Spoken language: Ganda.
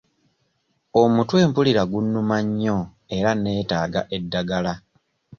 Omutwe mpulira gunnuma nnyo era neetaga eddagala.